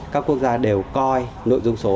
các quốc gia đều coi nội dung số